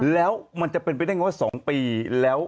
แล้วมันจะเป็นไปได้ไงว่า๒ปีแล้ว